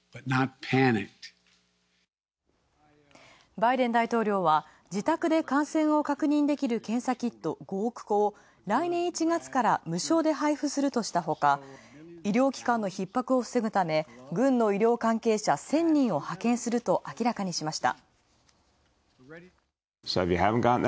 バイデン大統領は、自宅で感染を確認できる検査キット５億個を来年１月から無償で配布するとしたほか医療機関のひっ迫を防ぐため、軍の医療関係者１０００人を派遣すると明らかにしました。